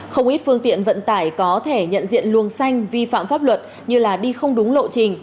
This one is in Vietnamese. không ít phương tiện vận tải có thể nhận diện luồng xanh vi phạm pháp luật như đi không đúng lộ trình